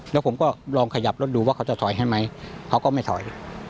แล้วผมก็ลองขยับรถดูว่าเขาจะถอยให้ไหมเขาก็ไม่ถอย